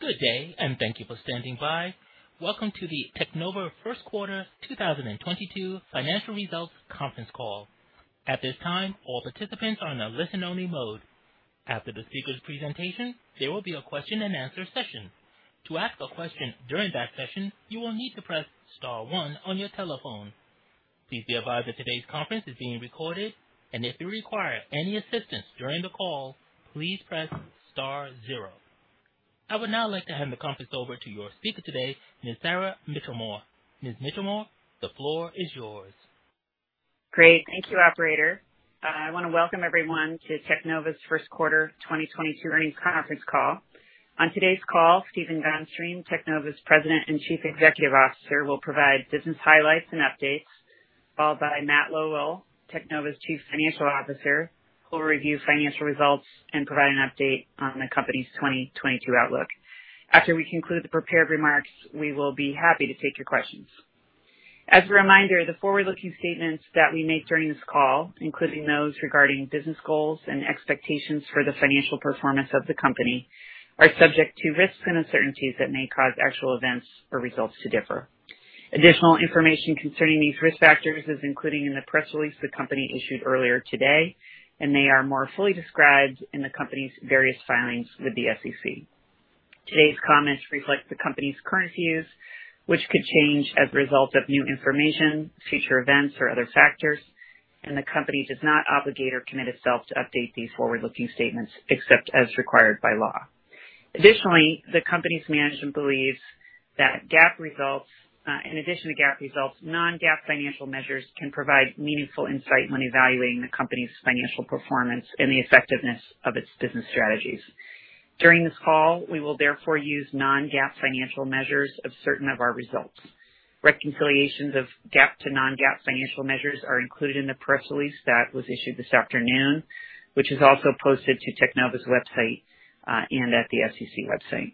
Good day, thank you for standing by. Welcome to the Alpha Teknova First Quarter 2022 financial results conference call. At this time, all participants are in a listen-only mode. After the speaker's presentation, there will be a question and answer session. To ask a question during that session, you will need to press star one on your telephone. Please be advised that today's conference is being recorded and if you require any assistance during the call, please press star zero. I would now like to hand the conference over to your speaker today, Ms. Sara Michelmore. Ms. Michelmore, the floor is yours. Great. Thank you, operator. I want to welcome everyone to Teknova's first quarter 2022 earnings conference call. On today's call, Stephen Gunstream, Teknova's President and Chief Executive Officer, will provide business highlights and updates, followed by Matt Lowell, Teknova's Chief Financial Officer, who will review financial results and provide an update on the company's 2022 outlook. After we conclude the prepared remarks, we will be happy to take your questions. As a reminder, the forward-looking statements that we make during this call, including those regarding business goals and expectations for the financial performance of the company, are subject to risks and uncertainties that may cause actual events or results to differ. Additional information concerning these risk factors is included in the press release the company issued earlier today, and they are more fully described in the company's various filings with the SEC. Today's comments reflect the company's current views, which could change as a result of new information, future events, or other factors. The company does not obligate or commit itself to update these forward-looking statements except as required by law. Additionally, the company's management believes that in addition to GAAP results, non-GAAP financial measures can provide meaningful insight when evaluating the company's financial performance and the effectiveness of its business strategies. During this call, we will therefore use non-GAAP financial measures of certain of our results. Reconciliations of GAAP to non-GAAP financial measures are included in the press release that was issued this afternoon, which is also posted to Teknova's website and at the SEC website.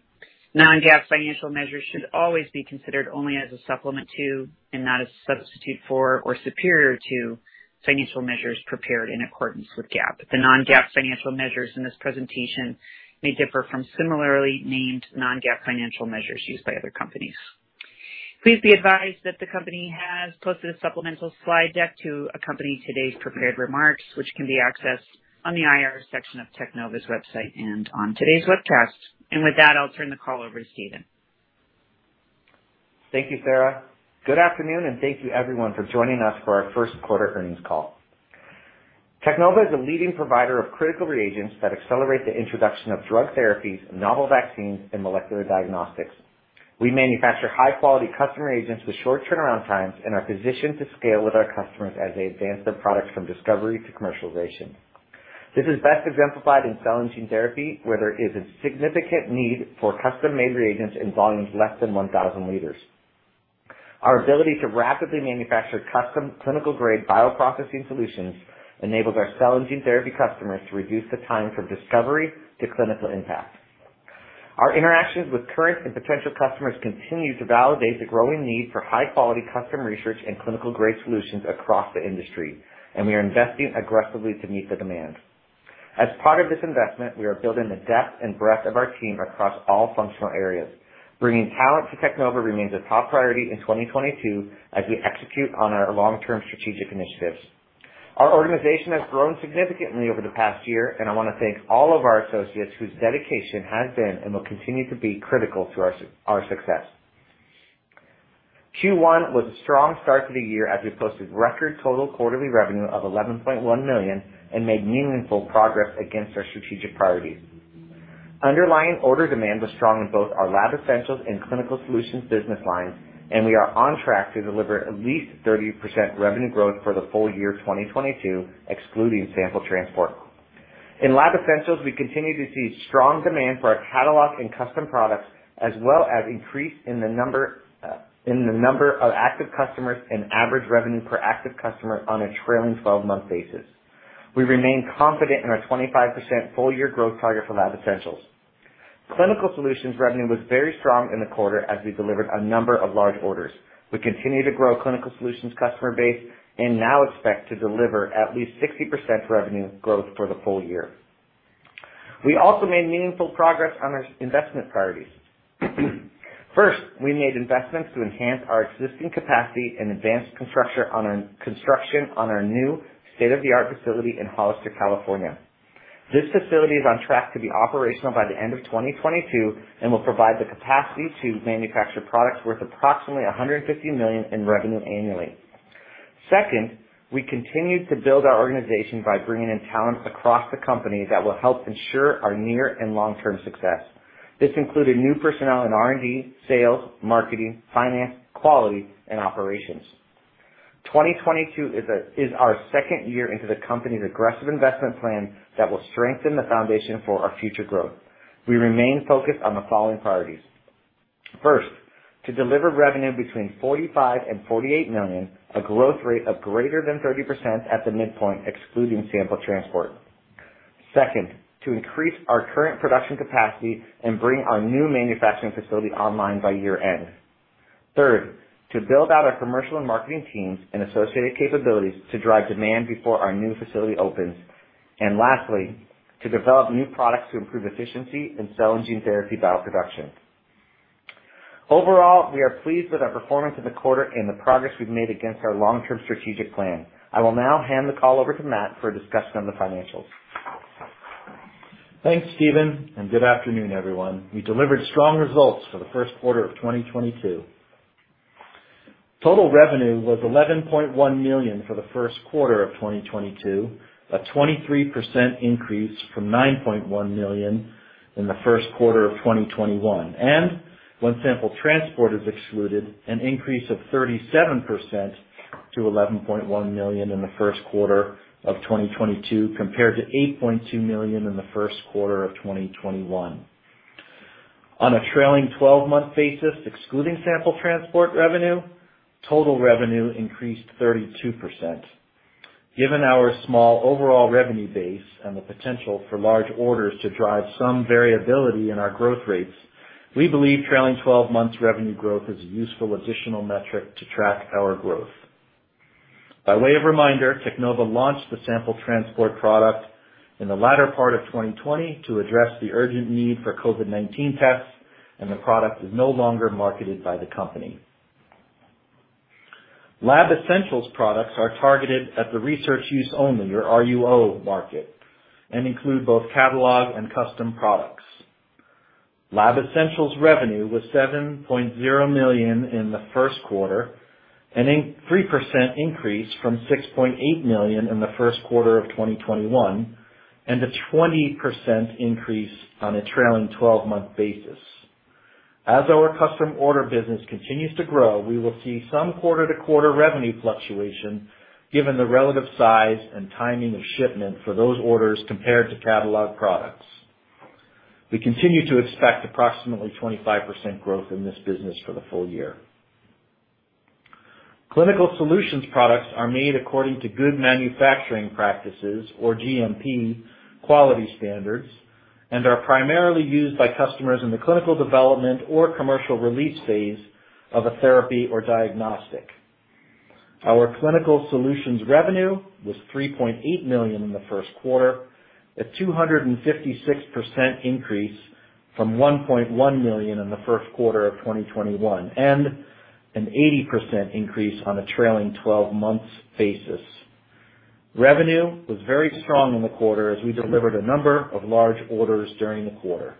Non-GAAP financial measures should always be considered only as a supplement to and not a substitute for or superior to financial measures prepared in accordance with GAAP. The non-GAAP financial measures in this presentation may differ from similarly named non-GAAP financial measures used by other companies. Please be advised that the company has posted a supplemental slide deck to accompany today's prepared remarks, which can be accessed on the IR section of Teknova's website and on today's webcast. With that, I'll turn the call over to Stephen. Thank you, Sara. Good afternoon, and thank you, everyone, for joining us for our first quarter earnings call. Teknova is a leading provider of critical reagents that accelerate the introduction of drug therapies, novel vaccines, and molecular diagnostics. We manufacture high-quality custom reagents with short turnaround times and are positioned to scale with our customers as they advance their products from discovery to commercialization. This is best exemplified in cell and gene therapy, where there is a significant need for custom-made reagents in volumes less than 1,000 liters. Our ability to rapidly manufacture custom clinical-grade bioprocessing solutions enables our cell and gene therapy customers to reduce the time from discovery to clinical impact. Our interactions with current and potential customers continue to validate the growing need for high-quality custom research and clinical-grade solutions across the industry, and we are investing aggressively to meet the demand. As part of this investment, we are building the depth and breadth of our team across all functional areas. Bringing talent to Teknova remains a top priority in 2022 as we execute on our long-term strategic initiatives. Our organization has grown significantly over the past year, and I want to thank all of our associates whose dedication has been and will continue to be critical to our success. Q1 was a strong start to the year as we posted record total quarterly revenue of $11.1 million and made meaningful progress against our strategic priorities. Underlying order demand was strong in both our Lab Essentials and Clinical Solutions business lines, and we are on track to deliver at least 30% revenue growth for the full year 2022, excluding Sample Transport. In Lab Essentials, we continue to see strong demand for our catalog and custom products, as well as increase in the number of active customers and average revenue per active customer on a trailing twelve-month basis. We remain confident in our 25% full-year growth target for Lab Essentials. Clinical Solutions revenue was very strong in the quarter as we delivered a number of large orders. We continue to grow Clinical Solutions customer base and now expect to deliver at least 60% revenue growth for the full year. We also made meaningful progress on our investment priorities. First, we made investments to enhance our existing capacity and advanced construction on our new state-of-the-art facility in Hollister, California. This facility is on track to be operational by the end of 2022 and will provide the capacity to manufacture products worth approximately $150 million in revenue annually. Second, we continued to build our organization by bringing in talent across the company that will help ensure our near and long-term success. This included new personnel in R&D, sales, marketing, finance, quality, and operations. 2022 is our second year into the company's aggressive investment plan that will strengthen the foundation for our future growth. We remain focused on the following priorities. First, to deliver revenue between $45 million and $48 million, a growth rate of greater than 30% at the midpoint, excluding Sample Transport. Second, to increase our current production capacity and bring our new manufacturing facility online by year-end. Third, to build out our commercial and marketing teams and associated capabilities to drive demand before our new facility opens. Lastly, to develop new products to improve efficiency in cell and gene therapy bioproduction. Overall, we are pleased with our performance in the quarter and the progress we've made against our long-term strategic plan. I will now hand the call over to Matt for a discussion on the financials. Thanks, Stephen, and good afternoon, everyone. We delivered strong results for the first quarter of 2022. Total revenue was $11.1 million for the first quarter of 2022, a 23% increase from $9.1 million in the first quarter of 2021. When Sample Transport is excluded, an increase of 37% to $11.1 million in the first quarter of 2022 compared to $8.2 million in the first quarter of 2021. On a trailing twelve-month basis, excluding Sample Transport revenue, total revenue increased 32%. Given our small overall revenue base and the potential for large orders to drive some variability in our growth rates, we believe trailing twelve months revenue growth is a useful additional metric to track our growth. By way of reminder, Teknova launched the Sample Transport product in the latter part of 2020 to address the urgent need for COVID-19 tests and the product is no longer marketed by the company. Lab Essentials products are targeted at the research use only, or RUO market, and include both catalog and custom products. Lab Essentials revenue was $7.0 million in the first quarter, a 3% increase from $6.8 million in the first quarter of 2021, and a 20% increase on a trailing 12-month basis. As our custom order business continues to grow, we will see some quarter-to-quarter revenue fluctuation given the relative size and timing of shipment for those orders compared to catalog products. We continue to expect approximately 25% growth in this business for the full year. Clinical Solutions products are made according to good manufacturing practices, or GMP, quality standards, and are primarily used by customers in the clinical development or commercial release phase of a therapy or diagnostic. Our Clinical Solutions revenue was $3.8 million in the first quarter, a 256% increase from $1.1 million in the first quarter of 2021, and an 80% increase on a trailing-twelve months basis. Revenue was very strong in the quarter as we delivered a number of large orders during the quarter.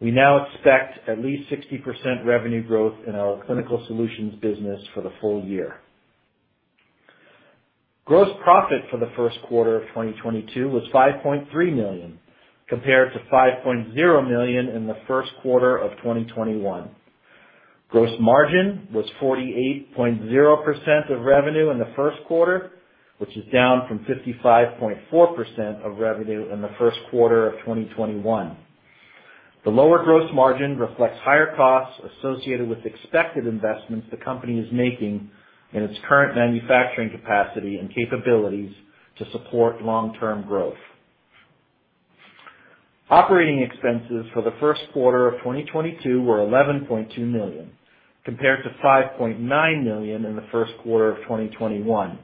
We now expect at least 60% revenue growth in our Clinical Solutions business for the full year. Gross profit for the first quarter of 2022 was $5.3 million, compared to $5.0 million in the first quarter of 2021. Gross margin was 48.0% of revenue in the first quarter, which is down from 55.4% of revenue in the first quarter of 2021. The lower gross margin reflects higher costs associated with expected investments the company is making in its current manufacturing capacity and capabilities to support long-term growth. Operating expenses for the first quarter of 2022 were $11.2 million, compared to $5.9 million in the first quarter of 2021.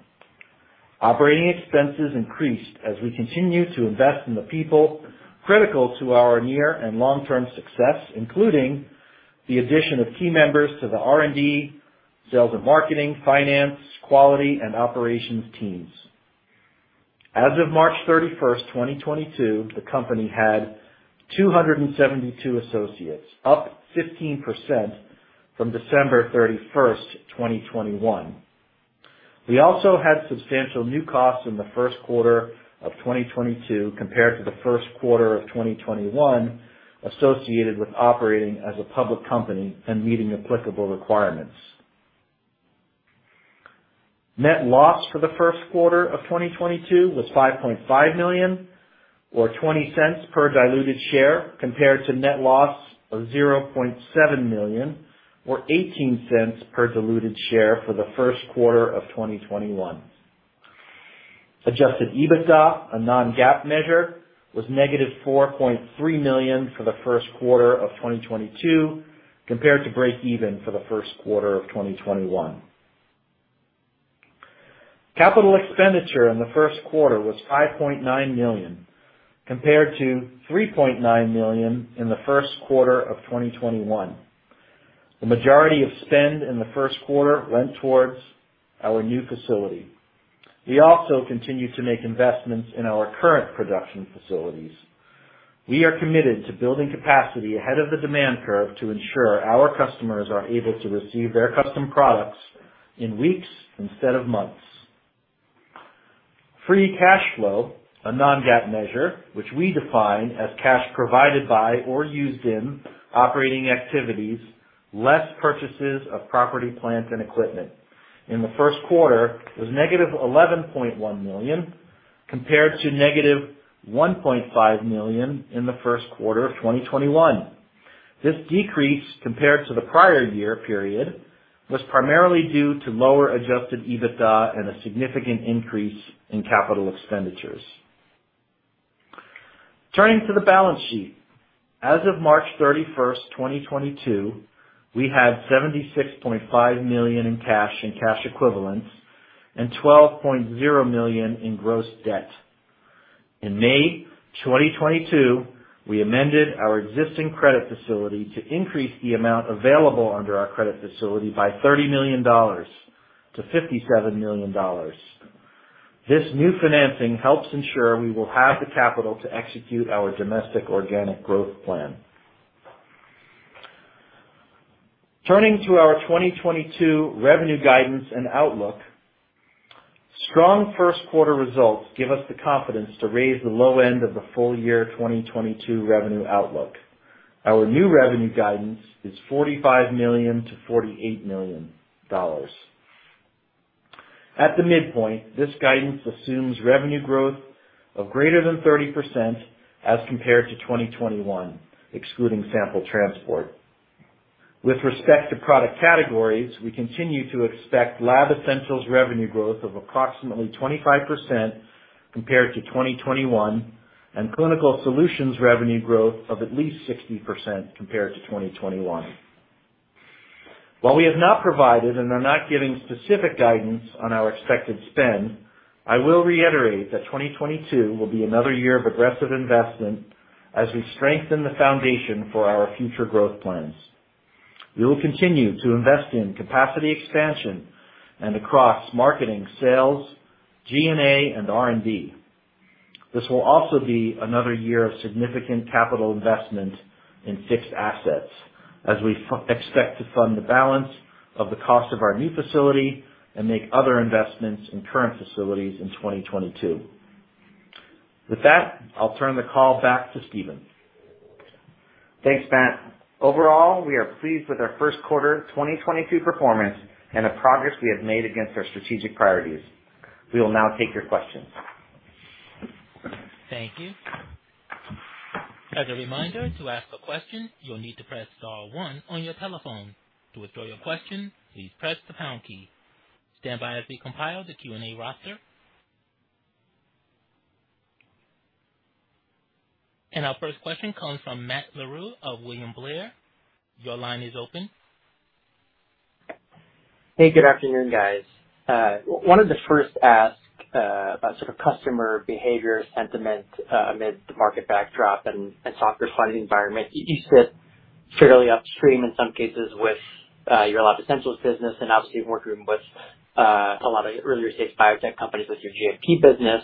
Operating expenses increased as we continue to invest in the people critical to our near and long-term success, including the addition of team members to the R&D, sales and marketing, finance, quality and operations teams. As of March 31, 2022, the company had 272 associates, up 15% from December 31, 2021. We also had substantial new costs in the first quarter of 2022 compared to the first quarter of 2021 associated with operating as a public company and meeting applicable requirements. Net loss for the first quarter of 2022 was $5.5 million or $0.20 per diluted share, compared to net loss of $0.7 million or $0.18 per diluted share for the first quarter of 2021. Adjusted EBITDA, a non-GAAP measure, was -$4.3 million for the first quarter of 2022 compared to break even for the first quarter of 2021. Capital expenditure in the first quarter was $5.9 million, compared to $3.9 million in the first quarter of 2021. The majority of spend in the first quarter went towards our new facility. We also continued to make investments in our current production facilities. We are committed to building capacity ahead of the demand curve to ensure our customers are able to receive their custom products in weeks instead of months. Free cash flow, a non-GAAP measure, which we define as cash provided by or used in operating activities, less purchases of property, plant, and equipment in the first quarter was -$11.1 million, compared to -$1.5 million in the first quarter of 2021. This decrease compared to the prior year period was primarily due to lower Adjusted EBITDA and a significant increase in capital expenditures. Turning to the balance sheet. As of March 31, 2022, we had $76.5 million in cash and cash equivalents and $12.0 million in gross debt. In May 2022, we amended our existing credit facility to increase the amount available under our credit facility by $30 million to $57 million. This new financing helps ensure we will have the capital to execute our domestic organic growth plan. Turning to our 2022 revenue guidance and outlook. Strong first quarter results give us the confidence to raise the low end of the full year 2022 revenue outlook. Our new revenue guidance is $45 million-$48 million. At the midpoint, this guidance assumes revenue growth of greater than 30% as compared to 2021, excluding Sample Transport. With respect to product categories, we continue to expect Lab Essentials revenue growth of approximately 25% compared to 2021, and Clinical Solutions revenue growth of at least 60% compared to 2021. While we have not provided and are not giving specific guidance on our expected spend, I will reiterate that 2022 will be another year of aggressive investment as we strengthen the foundation for our future growth plans. We will continue to invest in capacity expansion and across marketing, sales, G&A, and R&D. This will also be another year of significant capital investment in fixed assets as we expect to fund the balance of the cost of our new facility and make other investments in current facilities in 2022. With that, I'll turn the call back to Stephen. Thanks, Matt. Overall, we are pleased with our first quarter 2022 performance and the progress we have made against our strategic priorities. We will now take your questions. Thank you. As a reminder, to ask a question, you'll need to press star one on your telephone. To withdraw your question, please press the pound key. Stand by as we compile the Q&A roster. Our first question comes from Matt Larew of William Blair. Your line is open. Hey, good afternoon, guys. Wanted to first ask about sort of customer behavior sentiment amid the market backdrop and softer funding environment. You sit fairly upstream in some cases with your Lab Essentials business and obviously you're working with a lot of earlier-stage biotech companies with your GMP business.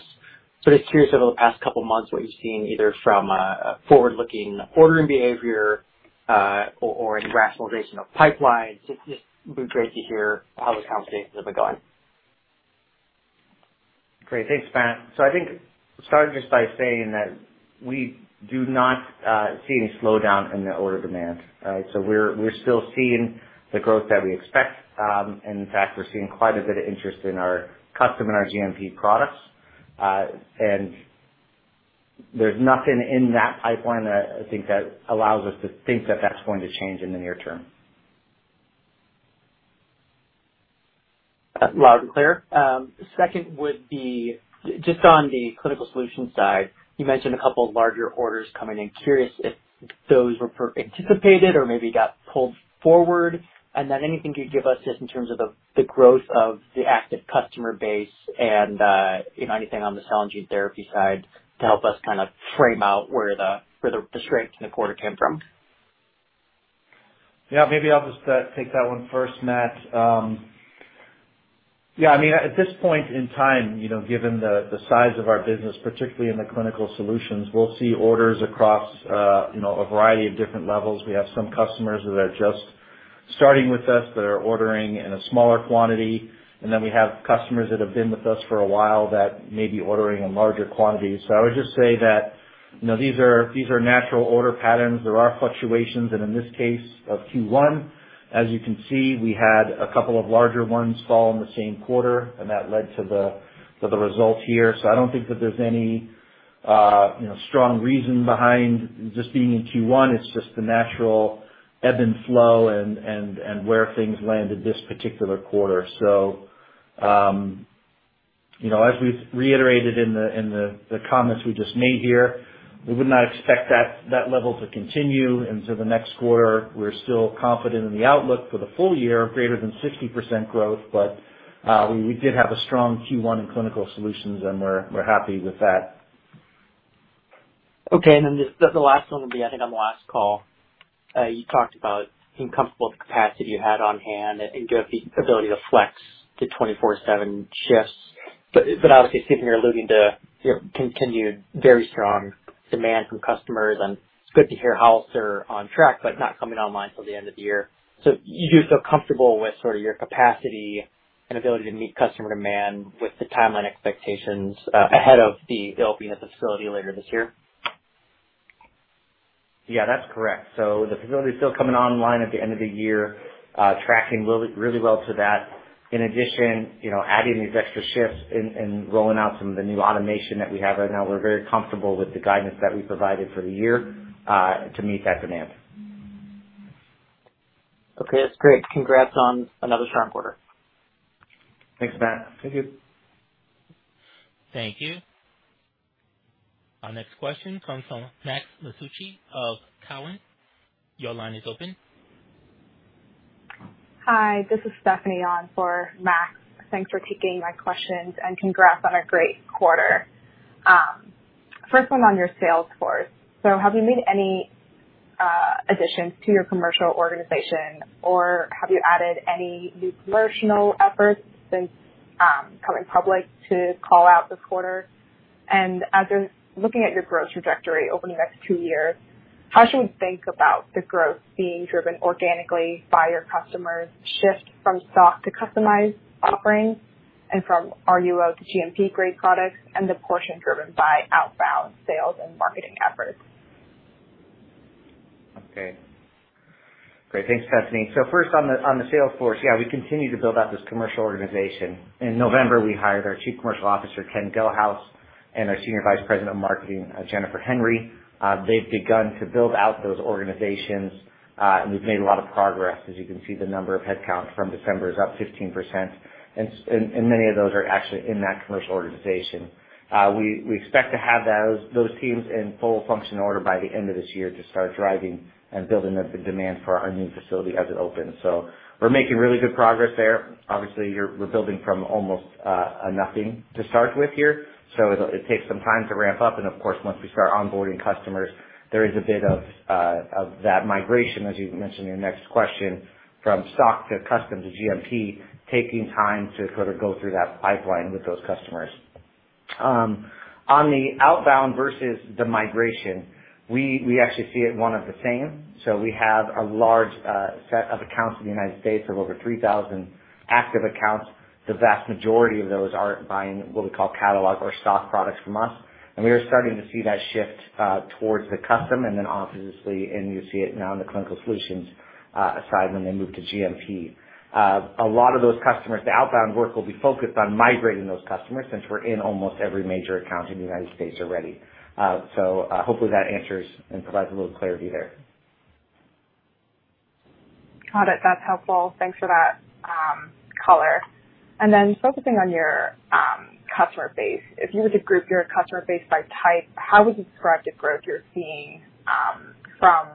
Just curious, over the past couple months, what you've seen either from a forward-looking ordering behavior or any rationalization of pipelines. Just would be great to hear how those conversations have been going. Great. Thanks, Matt. I think starting just by saying that we do not see any slowdown in the order demand. We're still seeing the growth that we expect. In fact, we're seeing quite a bit of interest in our custom and our GMP products. There's nothing in that pipeline that I think allows us to think that that's going to change in the near term. Loud and clear. Second would be just on the Clinical Solutions side, you mentioned a couple of larger orders coming in. Curious if those were pre-anticipated or maybe got pulled forward, and then anything you could give us just in terms of the growth of the active customer base and, you know, anything on the cell and gene therapy side to help us kinda frame out where the strength in the quarter came from. Yeah, maybe I'll just take that one first, Matt. Yeah. I mean, at this point in time, you know, given the size of our business, particularly in the Clinical Solutions, we'll see orders across, you know, a variety of different levels. We have some customers that are just starting with us that are ordering in a smaller quantity, and then we have customers that have been with us for a while that may be ordering in larger quantities. So I would just say that, you know, these are natural order patterns. There are fluctuations and in this case of Q1, as you can see, we had a couple of larger ones fall in the same quarter and that led to the results here. So I don't think that there's any strong reason behind just being in Q1. It's just the natural ebb and flow where things landed this particular quarter. You know, as we've reiterated in the comments we just made here, we would not expect that level to continue into the next quarter. We're still confident in the outlook for the full year, greater than 60% growth, but we did have a strong Q1 in Clinical Solutions, and we're happy with that. Okay. Then just the last one will be, I think, on the last call, you talked about being comfortable with the capacity you had on hand and you have the ability to flex to 24/7 shifts. But obviously, Stephen, you're alluding to your continued very strong demand from customers, and it's good to hear Hollister is on track, but not coming online till the end of the year. You feel comfortable with sort of your capacity and ability to meet customer demand with the timeline expectations ahead of the opening of the facility later this year? Yeah. That's correct. The facility is still coming online at the end of the year, tracking really, really well to that. In addition, you know, adding these extra shifts and rolling out some of the new automation that we have right now, we're very comfortable with the guidance that we provided for the year, to meet that demand. Okay, that's great. Congrats on another strong quarter. Thanks, Matt. Thank you. Thank you. Our next question comes from Max Masucci of Cowen. Your line is open. Hi, this is Stephanie on for Max. Thanks for taking my questions and congrats on a great quarter. First one on your sales force. Have you made any additions to your commercial organization or have you added any new commercial efforts since going public to call out this quarter? As you're looking at your growth trajectory over the next two years, how should we think about the growth being driven organically by your customers shift from stock to customized offerings and from RUO to GMP-grade products and the portion driven by outbound sales and marketing efforts? Okay. Great. Thanks, Stephanie. First on the sales force, yeah, we continue to build out this commercial organization. In November, we hired our Chief Commercial Officer, Ken Gelhaus, and our Senior Vice President of Marketing, Jennifer Henry. They've begun to build out those organizations, and we've made a lot of progress. As you can see, the number of headcounts from December is up 15% and many of those are actually in that commercial organization. We expect to have those teams in full function order by the end of this year to start driving and building up the demand for our new facility as it opens. We're making really good progress there. Obviously, we're building from almost nothing to start with here, so it takes some time to ramp up. Of course, once we start onboarding customers, there is a bit of that migration, as you mentioned in your next question, from stock to custom to GMP, taking time to sort of go through that pipeline with those customers. On the outbound versus the migration, we actually see it one and the same. We have a large set of accounts in the United States of over 3,000 active accounts. The vast majority of those are buying what we call catalog or stock products from us. We are starting to see that shift towards the custom and then obviously, and you see it now in the Clinical Solutions side when they move to GMP. A lot of those customers, the outbound work will be focused on migrating those customers since we're in almost every major account in the United States already. Hopefully that answers and provides a little clarity there. Got it. That's helpful. Thanks for that, color. Focusing on your customer base, if you were to group your customer base by type, how would you describe the growth you're seeing from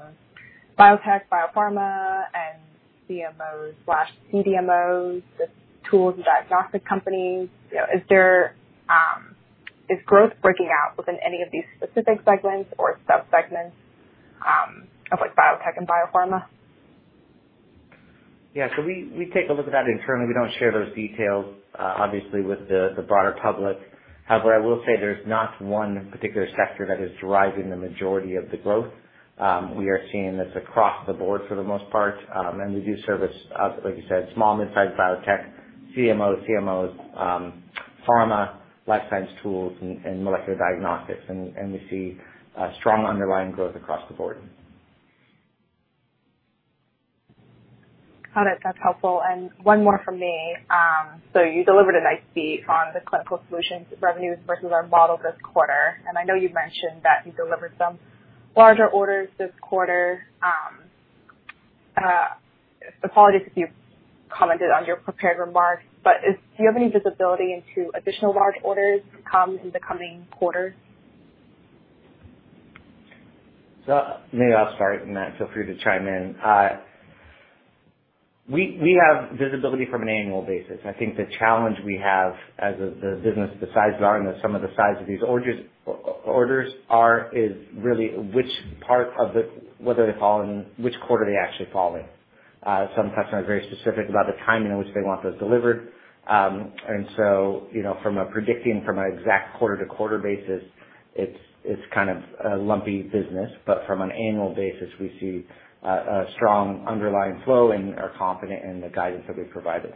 biotech, biopharma and CMOs/CDMOs, the tools and diagnostic companies? You know, is growth breaking out within any of these specific segments or sub-segments of like biotech and biopharma? We take a look at that internally. We don't share those details, obviously with the broader public. However, I will say there's not one particular sector that is driving the majority of the growth. We are seeing this across the board for the most part. We do service, like you said, small and mid-size biotech, CMOs, pharma, life science tools and molecular diagnostics. We see strong underlying growth across the board. Got it. That's helpful. One more from me. You delivered a nice beat on the Clinical Solutions revenues versus our model this quarter. I know you've mentioned that you delivered some larger orders this quarter. Apologies if you've commented on your prepared remarks, but do you have any visibility into additional large orders to come in the coming quarters? Maybe I'll start and Matt feel free to chime in. We have visibility from an annual basis. I think the challenge we have as a business, the size we are and some of the size of these orders, is really whether they fall in which quarter they actually fall in. Some customers are very specific about the timing in which they want those delivered. You know, from predicting an exact quarter-to-quarter basis, it's kind of a lumpy business. From an annual basis, we see a strong underlying flow and are confident in the guidance that we provided.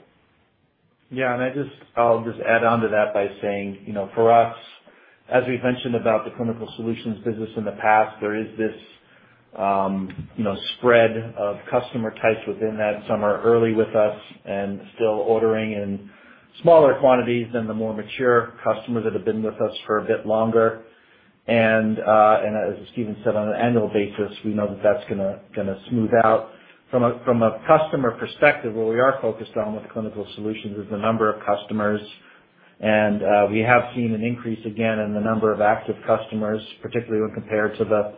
Yeah. I'll just add on to that by saying, you know, for us, as we've mentioned about the Clinical Solutions business in the past, there is this, you know, spread of customer types within that. Some are early with us and still ordering in smaller quantities than the more mature customers that have been with us for a bit longer. As Stephen said, on an annual basis, we know that that's gonna smooth out. From a customer perspective, what we are focused on with Clinical Solutions is the number of customers. We have seen an increase again in the number of active customers, particularly when compared to the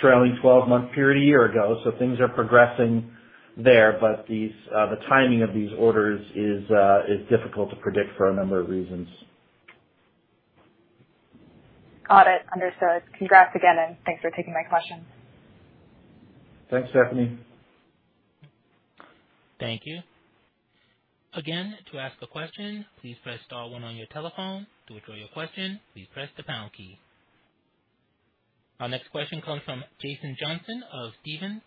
trailing twelve-month period a year ago. Things are progressing there. These, the timing of these orders is difficult to predict for a number of reasons. Got it. Understood. Congrats again, and thanks for taking my questions. Thanks, Stephanie. Thank you. Again, to ask a question, please press star one on your telephone. To withdraw your question, please press the pound key. Our next question comes from Jacob Johnson of Stephens.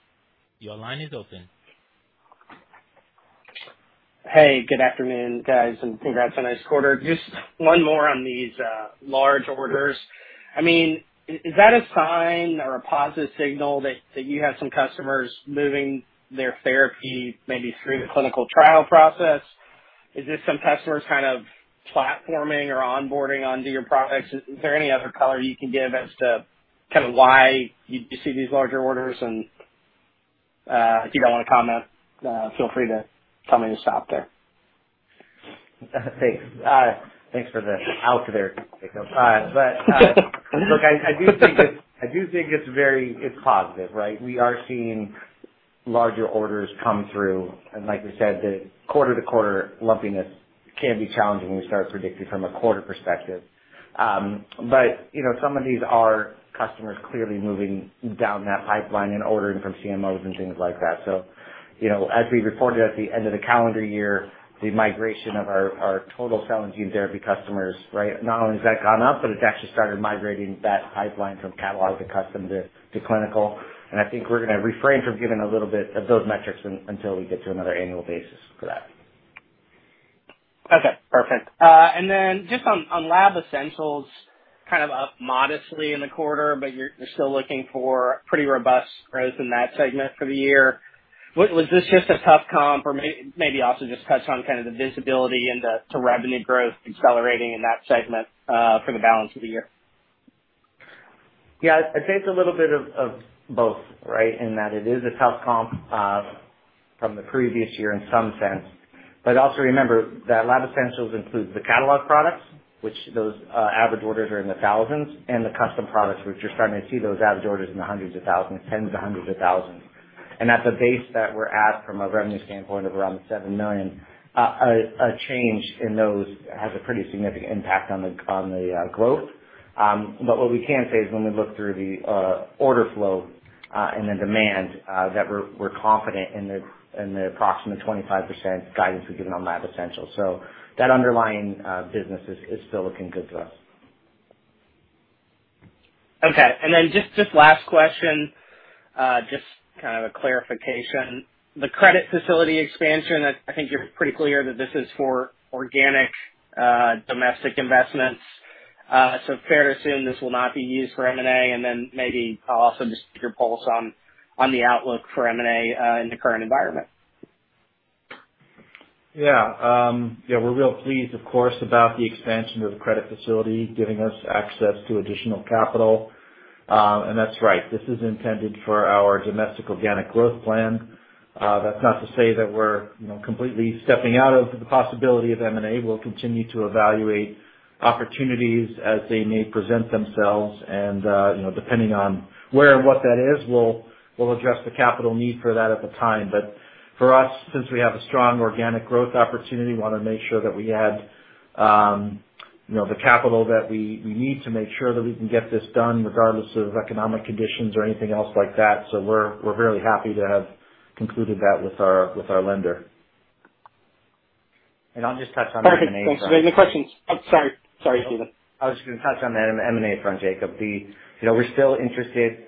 Your line is open. Hey, good afternoon, guys, and congrats on a nice quarter. Just one more on these large orders. I mean, is that a sign or a positive signal that you have some customers moving their therapy maybe through the clinical trial process? Is this some customers kind of platforming or onboarding onto your products? Is there any other color you can give as to kind of why you see these larger orders and, if you don't wanna comment, feel free to tell me to stop there. Thanks. Thanks for the question, Jacob. Look, I do think it's very positive, right? We are seeing larger orders come through, and like we said, the quarter-to-quarter lumpiness can be challenging when you start predicting from a quarter perspective. You know, some of these are customers clearly moving down that pipeline and ordering from CMOs and things like that. You know, as we reported at the end of the calendar year, the migration of our total cell and gene therapy customers, right? Not only has that gone up, but it's actually started migrating that pipeline from catalog to custom to clinical. I think we're gonna refrain from giving a little bit of those metrics until we get to another annual basis for that. Okay, perfect. Just on Lab Essentials, kind of up modestly in the quarter, but you're still looking for pretty robust growth in that segment for the year. Was this just a tough comp? Or maybe also just touch on kind of the visibility into revenue growth accelerating in that segment, for the balance of the year. Yeah, I'd say it's a little bit of both, right? In that it is a tough comp from the previous year in some sense. Also remember that Lab Essentials includes the catalog products, which those average orders are in the thousands, and the custom products, which you're starting to see those average orders in the hundreds of thousands, tens of hundreds of thousands. At the base that we're at from a revenue standpoint of around $7 million, a change in those has a pretty significant impact on the growth. What we can say is when we look through the order flow and the demand that we're confident in the approximate 25% guidance we've given on Lab Essentials. That underlying business is still looking good to us. Okay. Then just last question, just kind of a clarification. The credit facility expansion, I think you're pretty clear that this is for organic, domestic investments. Fair to assume this will not be used for M&A, and then maybe I'll also just get your pulse on the outlook for M&A, in the current environment. Yeah. Yeah, we're real pleased, of course, about the expansion of the credit facility, giving us access to additional capital. That's right, this is intended for our domestic organic growth plan. That's not to say that we're, you know, completely stepping out of the possibility of M&A. We'll continue to evaluate opportunities as they may present themselves and, you know, depending on where and what that is, we'll address the capital need for that at the time. But for us, since we have a strong organic growth opportunity, we wanna make sure that we had, you know, the capital that we need to make sure that we can get this done regardless of economic conditions or anything else like that. We're very happy to have concluded that with our lender. I'll just touch on the M&A front. Perfect. Thanks. Any questions? I'm sorry. Sorry, Stephen. I was just gonna touch on the M&A front, Jacob. You know, we're still interested.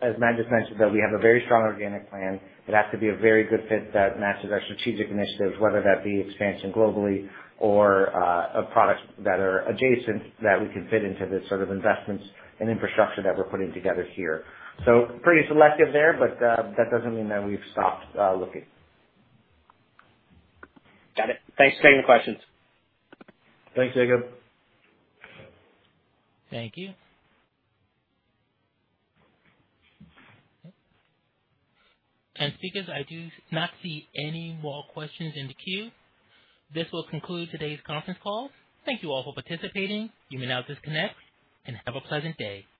As Matt just mentioned, that we have a very strong organic plan. It has to be a very good fit that matches our strategic initiatives, whether that be expansion globally or a product that are adjacent that we can fit into the sort of investments and infrastructure that we're putting together here. Pretty selective there, but that doesn't mean that we've stopped looking. Got it. Thanks. Great questions. Thanks, Jacob. Thank you. Speakers, I do not see any more questions in the queue. This will conclude today's conference call. Thank you all for participating. You may now disconnect and have a pleasant day.